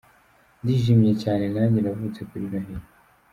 Ndishimye cyane najye navutse kuri Noheli.